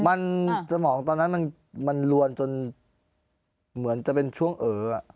มันสมองตอนนั้นมันลวนจนเหมือนจะเป็นช่วงเอ๋อ